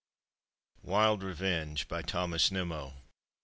— WILD REVENGK. BY THOMAS NIMMO.